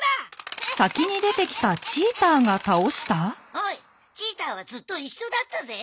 おいチーターはずっと一緒だったぜ。